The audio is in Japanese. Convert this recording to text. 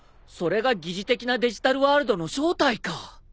それが疑似的なデジタルワールドの正体か。